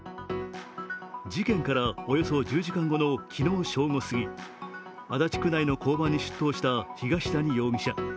事件からおよそ１０時間後の昨日正午過ぎ足立区内の交番に出頭した東谷容疑者。